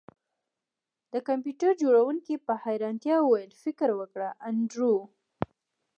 د کمپیوټر جوړونکي په حیرانتیا وویل فکر وکړه انډریو